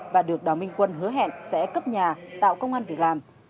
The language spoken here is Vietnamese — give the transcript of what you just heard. và được đào minh quân hứa hẹn sẽ cấp nhà tạo công an việc làm